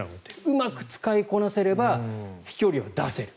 うまく使いこなせれば飛距離を出せる。